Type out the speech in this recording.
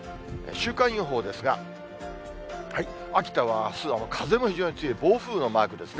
週間予報ですが、秋田はあすは風も非常に強い、暴風のマークですね。